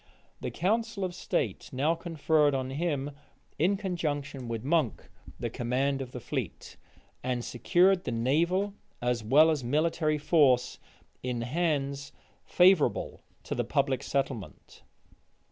The council of state now conferred on him, in conjunction with Monk, the command of the fleet; and secured the naval, as well as military force, in hands favorable to the public settlement.